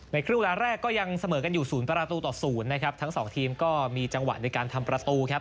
ครึ่งเวลาแรกก็ยังเสมอกันอยู่ศูนย์ประตูต่อศูนย์นะครับทั้งสองทีมก็มีจังหวะในการทำประตูครับ